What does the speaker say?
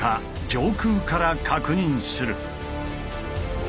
上空から確認する。